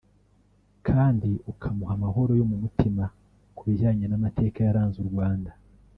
kandi ukamuha amahoro yo mu mutima ku bijyanye n’amateka yaranze u Rwanda